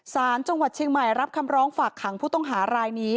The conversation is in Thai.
สารจังหวัดเชียงใหม่รับคำร้องฝากขังผู้ต้องหารายนี้